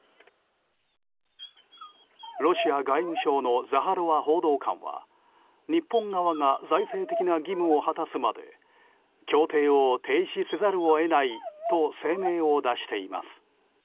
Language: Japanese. ロシア外務省のザハロワ報道官は日本側が財政的な義務を果たすまで協定を停止せざるを得ないと声明を出しています。